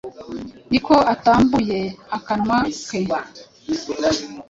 ni ko atabumbuye akanwa ke.